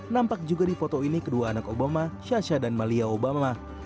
nampak juga di foto ini kedua anak obama shasha dan malia obama